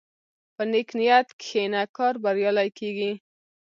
په نیک نیت کښېنه، کار بریالی کېږي.